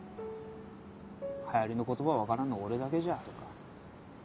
流行りの言葉分からんの俺だけじゃとか。